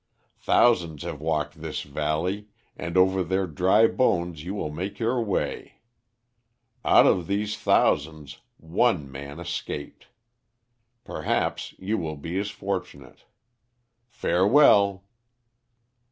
Thousands have walked this valley, and over their dry bones you will make your way. Out of these thousands one man escaped. Perhaps you will be as fortunate. Farewell!'